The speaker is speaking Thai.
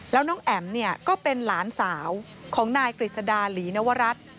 แล้วน้องแอ๋มเนี่ยก็เป็นหลานสาวของนายกฤษดาหลีนวรัฐ